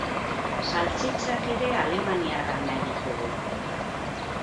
Saltxitxak ere alemaniarrak nahi ditugu.